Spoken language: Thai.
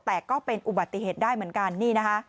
แต่งเป็นอุบัติเหตุได้เหมือนกัน